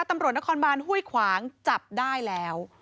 ตำรวจนครบานห้วยขวางจับได้แล้ว